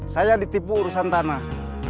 saya ditipu urusan tanah